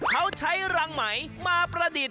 เขาใช้รังไหมมาประดิษฐ